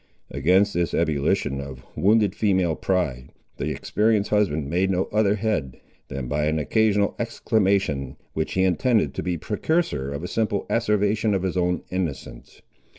Against this ebullition of wounded female pride, the experienced husband made no other head, than by an occasional exclamation, which he intended to be precursor of a simple asseveration of his own innocence.